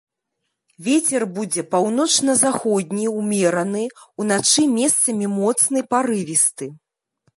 Вецер будзе паўночна-заходні ўмераны, уначы месцамі моцны парывісты.